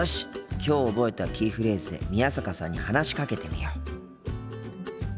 きょう覚えたキーフレーズで宮坂さんに話しかけてみよう。